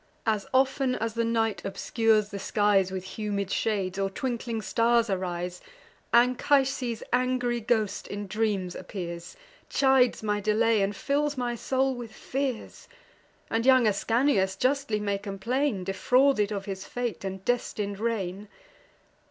As often as the night obscures the skies With humid shades, or twinkling stars arise, Anchises' angry ghost in dreams appears, Chides my delay, and fills my soul with fears; And young Ascanius justly may complain Of his defrauded and destin'd reign.